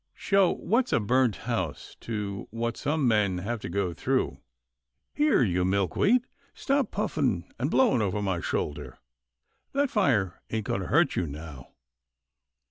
Sho !— what's a burnt house to what some men have to go through — Here you Milkweed, stop puffing and blowing over my shoulder. That fire ain't going to hurt you now.